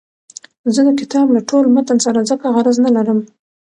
زه د کتاب له ټول متن سره ځکه غرض نه لرم.